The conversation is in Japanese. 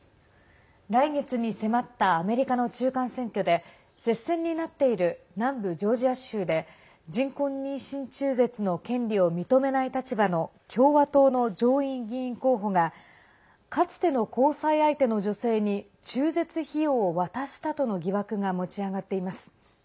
来月に迫ったアメリカの中間選挙で接戦になっている南部ジョージア州で人工妊娠中絶の権利を認めない立場の共和党の上院議員候補がかつての交際相手の女性に中絶費用を渡したとの疑惑が持ち上がっています。